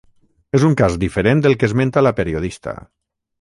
És un cas diferent del que esmenta la periodista.